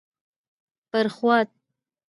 بر خوات: